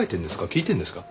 聞いてるんですか？